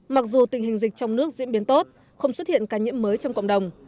mặc dù tình hình dịch trong nước diễn biến tốt không xuất hiện ca nhiễm mới trong cộng đồng